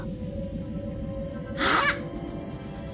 あっ！